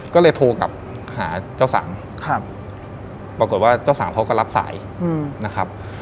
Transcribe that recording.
ก็เลยโทรกลับหาเจ้าสังปรากฏว่าเจ้าสาวเขาก็รับสายนะครับ